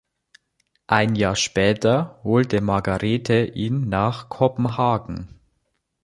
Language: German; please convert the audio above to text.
Ein Jahr später holte Margarethe ihn nach Kopenhagen.